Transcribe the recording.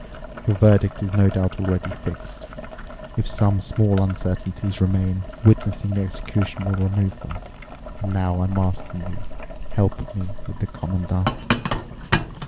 Your verdict is no doubt already fixed. If some small uncertainties remain, witnessing the execution will remove them. And now I'm asking you—help me with the Commandant!"